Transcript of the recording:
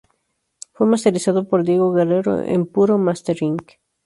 Fue masterizado por Diego Guerrero en Puro Mastering.